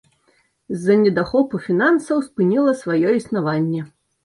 З-за недахопу фінансаў спыніла сваё існаванне.